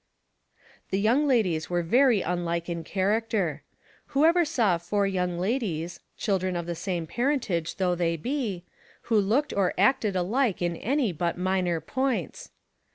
The young ladies were very unlike in charac acter. Who ever saw four young ladies, chil dren of the same parentage though they be, who looked or acted alike iu any but minor points